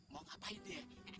mau ngapain dia